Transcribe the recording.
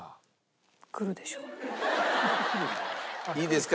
いいですか？